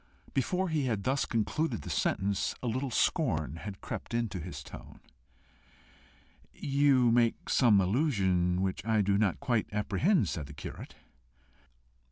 Before he had thus concluded the sentence a little scorn had crept into his tone. "You make some allusion which I do not quite apprehend," said the curate.